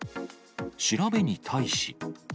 調べに対し。